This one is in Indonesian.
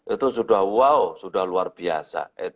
itu sudah wow sudah luar biasa